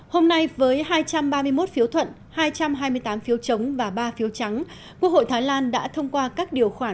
hôm nay với hai trăm ba mươi một phiếu thuận hai trăm hai mươi tám phiếu chống và ba phiếu trắng quốc hội thái lan đã thông qua các điều khoản